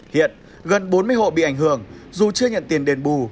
hiện gần bốn mươi hộ bị ảnh hưởng dù chưa nhận tiền đền bù